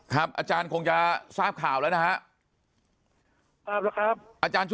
ครับอาจารย์คงจะทราบข่าวแล้วนะฮะ